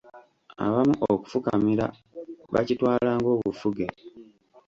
Abamu okufukamira bakitwala ng'obufuge.